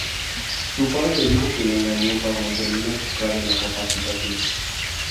Su padre le dijo que la engañó para mantenerla enfocada en la capacitación.